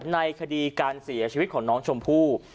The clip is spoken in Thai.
ในคดีการเสียชีวิตของน้องชมพู่